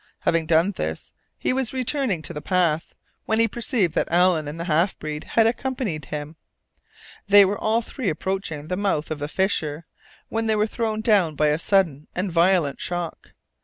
Having done this, he was returning to the path, when he perceived that Allen and the half breed had accompanied him. They were all three approaching the mouth of the fissure, when they were thrown down by a sudden and violent shock.